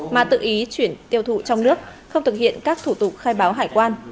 mà tự ý chuyển tiêu thụ trong nước không thực hiện các thủ tục khai báo hải quan